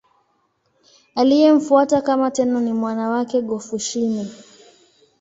Aliyemfuata kama Tenno ni mwana wake Go-Fushimi.